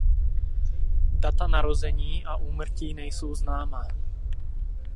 Data narození a úmrtí nejsou známa.